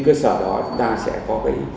trên cơ sở đó chúng ta sẽ có